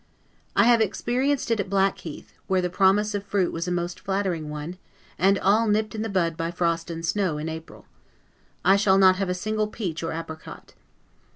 I have experienced it at Blackheath, where the promise of fruit was a most flattering one, and all nipped in the bud by frost and snow, in April. I shall not have a single peach or apricot.